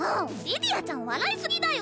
リディアちゃん笑いすぎだよ